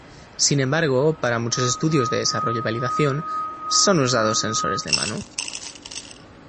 Sin embargo, para muchos estudios de desarrollo y validación, son usados sensores de mano.